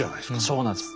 そうなんです。